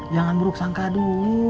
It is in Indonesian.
jangan beruksangka dulu